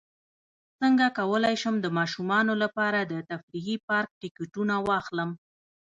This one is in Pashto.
څنګه کولی شم د ماشومانو لپاره د تفریحي پارک ټکټونه واخلم